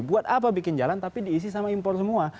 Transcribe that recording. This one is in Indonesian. buat apa bikin jalan tapi diisi sama impor semua